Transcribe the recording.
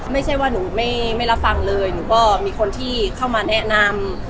ไม่ใช่ว่าหนูไม่รับฟังเลยหนูก็มีคนที่เข้ามาแนะนำ